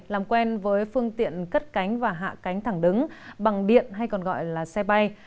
làm quen với phương tiện cất cánh và hạ cánh thẳng đứng bằng điện hay còn gọi là xe bay